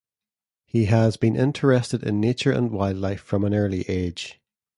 He has been interested in nature and wildlife from an early age.